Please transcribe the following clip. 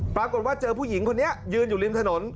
ปรากฏว่าเจอผู้หญิงคนนี้ยืนอยู่ริมถนน